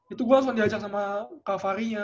itu gue langsung diajak sama kavarinya